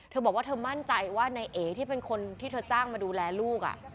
เธอบอกว่าเธอมั่นใจว่านายเอ๋ที่เป็นคนที่เธอจ้างมาดูแลลูก